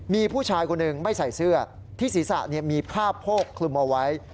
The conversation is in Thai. มีผู้ชายคนหนึ่งไม่ใส่เสื้อที่ศีรษะมีผ้าโพกคลุมเอาไว้